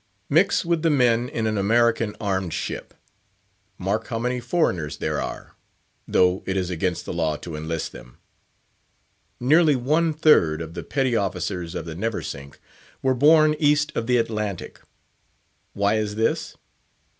Mix with the men in an American armed ship, mark how many foreigners there are, though it is against the law to enlist them. Nearly one third of the petty officers of the Neversink were born east of the Atlantic. Why is this?